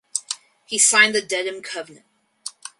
He signed the Dedham Covenant.